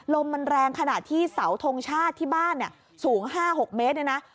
ลมมันแรงขนาดที่เสาทงชาติที่บ้านศูนย์๕๖เมตร